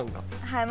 はい。